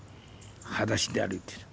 はだしで歩いてる。